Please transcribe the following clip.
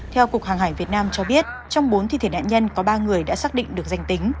theo cục hàng hải việt nam cho biết trong bốn thi thể nạn nhân có ba người đã xác định được danh tính